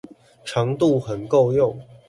長度很夠用